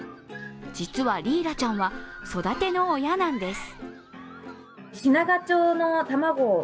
実は、リーラちゃんは育ての親なんです。